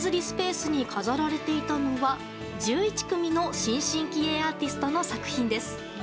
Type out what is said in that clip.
スペースに飾られていたのは１１組の新進気鋭アーティストの作品です。